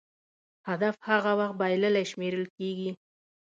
هدف هغه وخت بایللی شمېرل کېږي.